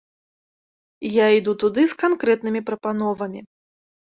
Я іду туды з канкрэтнымі прапановамі.